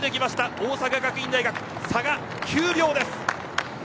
大阪学院大学差が９秒です。